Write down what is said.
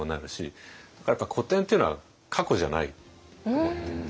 だから古典っていうのは過去じゃないと思ってて。